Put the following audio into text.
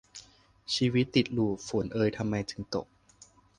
ชีวิตติดลูป ฝนเอยทำไมจึงตก